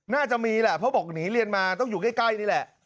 น่าจะมีแหละเพราะบอกหนีเรียนมาต้องอยู่ใกล้นี่แหละ